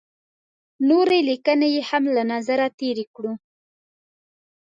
نورې لیکنې یې هم له نظره تېرې کړو.